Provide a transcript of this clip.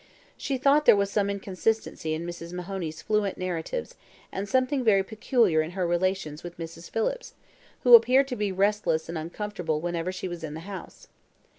She thought there was some inconsistency in Mrs. Mahoney's fluent narratives, and something very peculiar in her relations with Mrs. Phillips, who appeared to be restless and uncomfortable whenever she was in the house.